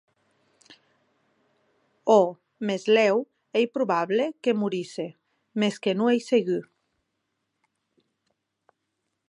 O mèsalèu ei probable que morisse, mès que non ei segur.